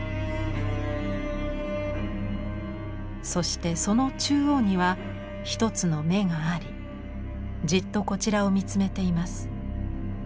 そしてその中央には一つの眼がありじっとこちらを見つめています。